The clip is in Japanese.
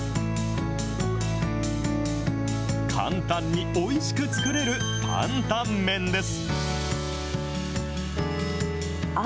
簡単においしく作れるタンタン麺です。